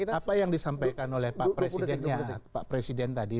apa yang disampaikan oleh pak presiden tadi